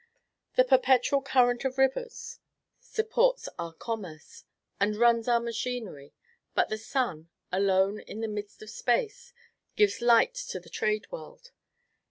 The perpetual current of rivers supports our commerce, and runs our machinery; but the sun, alone in the midst of space, gives light to the whole world.